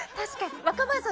若林さん